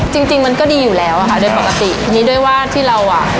จริงจริงมันก็ดีอยู่แล้วอะค่ะโดยปกติทีนี้ด้วยว่าที่เราอ่ะ